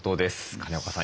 金岡さん